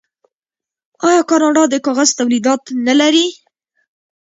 آیا کاناډا د کاغذ تولیدات نلري؟